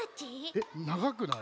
えっながくない？